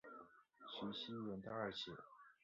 徐熙媛的二姐。